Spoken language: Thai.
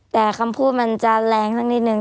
แต่คำพูดมันจะแรงสักนิดนึง